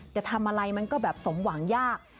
จะทำอะไรมันก็แบบสมหวังยาก